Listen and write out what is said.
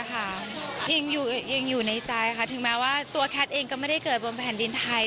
ยังอยู่ในใจค่ะถึงแม้ว่าตัวแคทเองก็ไม่ได้เกิดบนแผ่นดินไทย